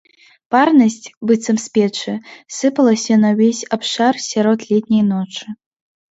Парнасць, быццам з печы, сыпалася на ўвесь абшар сярод летняй ночы.